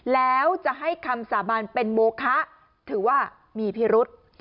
แล้วจะให้คำสาบานเป็นโมคะถือว่ามีพิรุษ